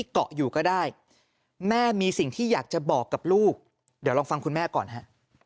เกาะอยู่ก็ได้แม่มีสิ่งที่อยากจะบอกกับลูกเดี๋ยวลองฟังคุณแม่ก่อนฮะ